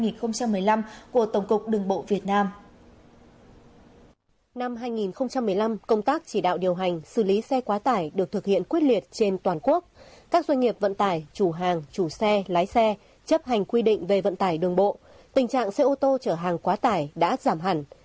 năm hai nghìn một mươi năm công tác chỉ đạo điều hành xử lý xe quá tải được thực hiện quyết liệt trên toàn quốc các doanh nghiệp vận tải chủ hàng chủ xe lái xe chấp hành quy định về vận tải đường bộ tình trạng xe ô tô chở hàng quá tải đã giảm hẳn